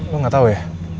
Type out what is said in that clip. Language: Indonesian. lo gak tau ya